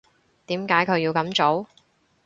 點解佢要噉做？